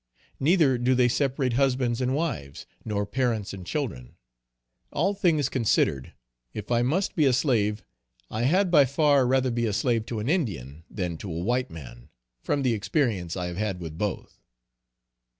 Neither do they separate husbands and wives, nor parents and children. All things considered, if I must be a slave, I had by far, rather be a slave to an Indian, than to a white man, from the experience I have had with both.